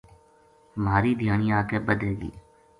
مھاری دھیانی اَگے بَدھے گی